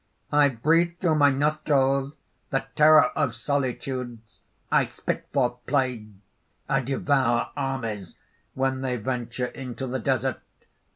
I breathe through my nostrils the terror of solitudes. I spit forth plague. I devour armies when they venture into the desert.